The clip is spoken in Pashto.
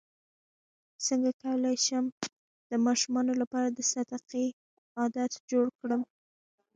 څنګه کولی شم د ماشومانو لپاره د صدقې عادت جوړ کړم